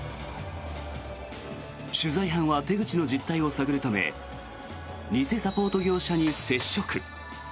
取材班は手口の実態を探るため偽サポート業者に接触。